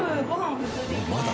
┐まだ？